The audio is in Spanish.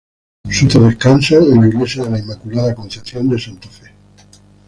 Sus restos descansan en la Iglesia de la Inmaculada Concepción de Santa Fe.